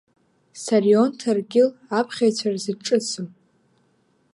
Сарион Ҭаркьыл аԥхьаҩцәа рзы дҿыцым.